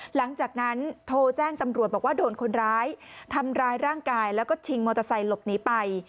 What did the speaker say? หลังจากนั้นโทรแจ้งตำรวจบอกว่าโดนคนร้ายทำร้ายร่างกายแล้วก็ชิงมอเตอร์ไซค์หลบหนีไป